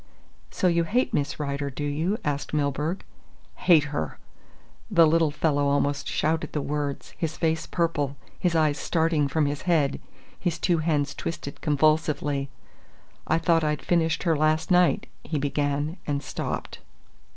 "So you hate Miss Rider, do you?" asked Milburgh. "Hate her!" The little fellow almost shouted the words, his face purple, his eyes starting from his head, his two hands twisted convulsively. "I thought I'd finished her last night," he began, and stopped.